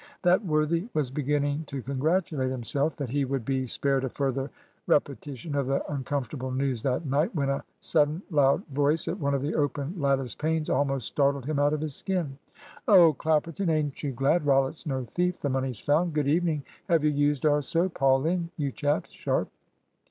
That worthy was beginning to congratulate himself that he would be spared a further repetition of the uncomfortable news that night, when a sudden, loud voice at one of the open lattice panes almost startled him out of his skin. "Oh, Clapperton! Ain't you glad? Rollitt's no thief. The money's found. Good evening have you used our soap? Haul in, you chaps! Sharp!"